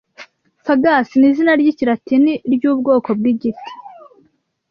Fagus ni izina ry'ikilatini ry'ubwoko bw'igiti